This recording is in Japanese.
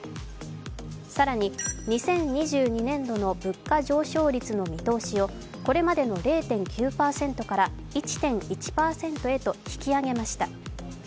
更に、２０２２年度の物価上昇率の見通しをこれまでの０．９％から１．１％へと引き上げました。